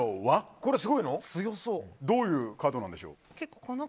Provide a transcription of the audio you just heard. どういうカードなんでしょう。